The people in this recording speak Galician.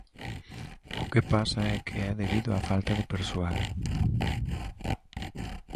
O que pasa é que é debido á falta de persoal.